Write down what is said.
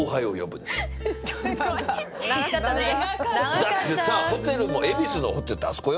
だってさホテルも恵比寿のホテルってあそこよ？